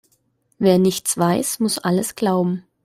Wer nichts weiß, muss alles glauben.